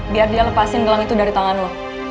biar dia lepasin gelang itu dari tangan lo